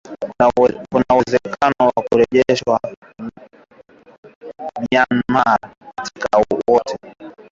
kuna uwezekano wa kurejeshwa Myanmar wakati wowote